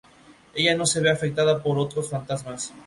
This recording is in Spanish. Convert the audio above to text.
Ella no se ve afectada por otros fantasmas.